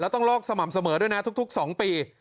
ต้องลอกสม่ำเสมอด้วยนะทุก๒ปี